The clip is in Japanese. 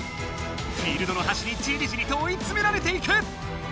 フィールドのはしにじりじりと追いつめられていく。